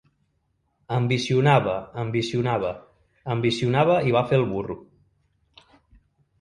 Ambicionava, ambicionava, ambicionava i va fer el burro.